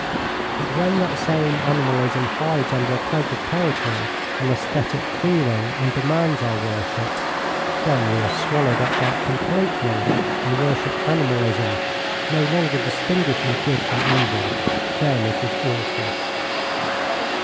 But when that same animalism hides under a cloak of poetry and aesthetic feeling and demands our worship then we are swallowed up by it completely, and worship animalism, no longer distinguishing good from evil. Then it is awful."